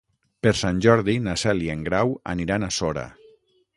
Per Sant Jordi na Cel i en Grau aniran a Sora.